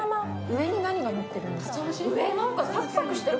上に何がのってるんですか？